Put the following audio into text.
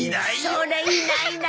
それいないな。